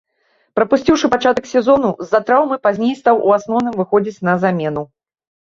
Прапусціўшы пачатак сезону з-за траўмы, пазней стаў у асноўным выхадзіць на замену.